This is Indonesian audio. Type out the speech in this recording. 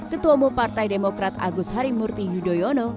ketua umum partai demokrat agus harimurti yudhoyono